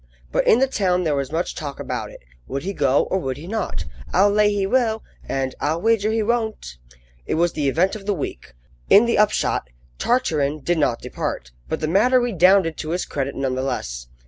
But in the town there was much talk about it. Would he go or would he not? "I'll lay he will!" and "I'll wager he won't!" It was the event of the week. In the upshot, Tartarin did not depart, but the matter redounded to his credit none the less.